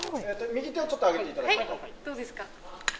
右手をちょっと上げていただはい、どうですか？